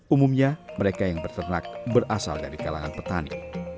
umumnya mereka yang berternak berasal dari kalangan petani